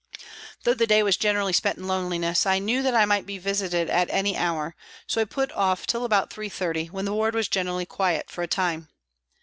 Though the day was generally spent in loneliness, I knew that I might be visited at any hour, so I put off till about 3.30, when the ward was generally quiet for a time.